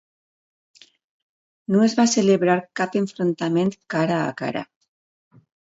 No es va celebrar cap enfrontament cara a cara.